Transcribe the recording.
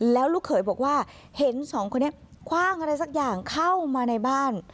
แล้วลูกเขยบอกว่าเห็นสองคนนี้คว่างอะไรสักอย่างเข้ามาในบ้าน